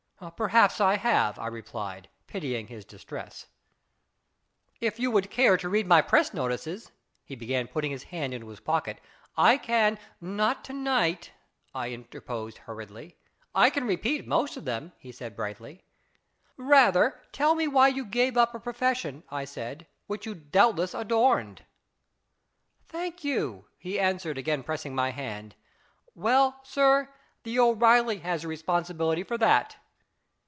" Perhaps I have," I replied, pitying his distress. 252 IS IT A MAN f " If you would care to read my press notices," he began putting his hand into his pocket, "lean "" Not to night," I interposed hurriedly. " I can repeat most of them," he said brightly. " Rather tell me why you gave up a pro fession," I said, " which you doubtless adorned." "Thank you," he answered, again pressing my hand. " Well, sir, the O'Reilly has the responsibility for that."